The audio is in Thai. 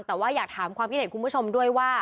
แต่ว่าอยากถามความคิดเห็นคุณผู้ชมด้วยว่า